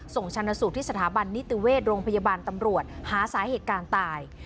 ชนสูตรที่สถาบันนิติเวชโรงพยาบาลตำรวจหาสาเหตุการณ์ตาย